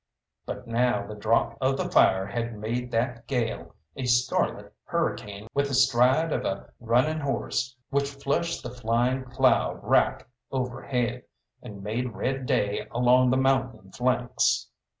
But now the draught of the fire had made that gale a scarlet hurricane with the stride of a running horse, which flushed the flying cloud wrack overhead, and made red day along the mountain flanks.